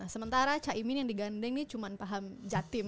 karena saya cak imin yang digandeng ini cuman paham jatim